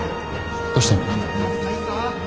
どうしたの？